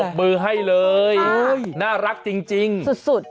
โอ้ยสุดยอดปรบมือให้เลยน่ารักจริงจริงสุดสุด